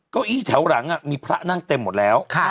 เก้าอี้แถวหลังมีพระนั่งเต็มหมดแล้ว